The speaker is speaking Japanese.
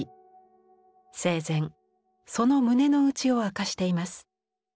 生前その胸の内を明かしています。